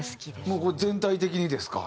もう全体的にですか？